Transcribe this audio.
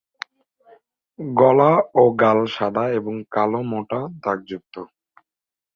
গলা ও গাল সাদা এবং কালো মোটা দাগযুক্ত।